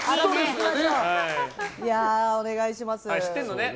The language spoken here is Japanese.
お願いします。